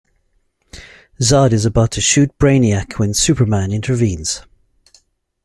Zod is about to shoot Brainiac when Superman intervenes.